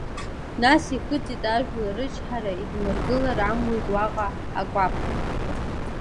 Нас ихыҵит ажәлар рычҳара, идмыргылар амуит уаҟа акәаԥ!